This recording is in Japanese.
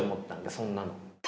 そんなの。